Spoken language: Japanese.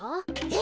え。